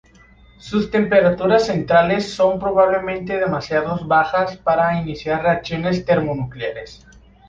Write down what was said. Sus temperaturas centrales son probablemente demasiado bajas para iniciar reacciones termonucleares.